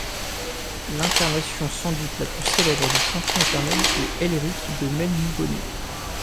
L'incarnation sans doute la plus célèbre du Champion éternel est Elric de Melniboné.